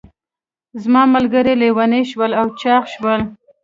زما ملګري لیوني شول او چاغ شول.